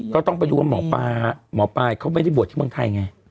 ก็ต้องไปดูว่าหมอปลาหมอปลายเขาไม่ได้บวชที่เมืองไทยไง